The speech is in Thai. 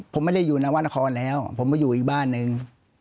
ผมไม่ได้อยู่นวรรณครแล้วผมมาอยู่อีกบ้านหนึ่ง